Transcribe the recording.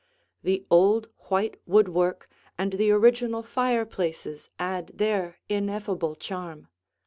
The old white woodwork and the original fireplaces add their ineffable charm.